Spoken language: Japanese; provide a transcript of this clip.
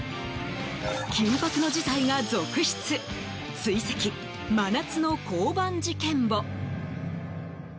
緊迫の事態が続出追跡、真夏の交番事件簿。